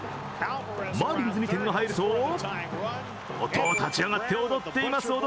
マーリンズに点が入ると立ち上がって踊っています